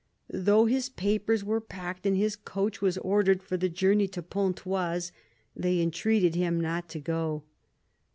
Though his papers were packed and his coach was ordered for the journey to Pontoise, they entreated him not to go.